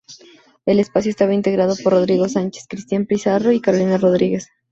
El espacio estaba integrado por Rodrigo Sánchez, Cristián Pizarro y Carolina Rodríguez.